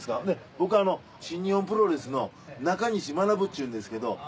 僕新日本プロレスの中西学っちゅうんですけど。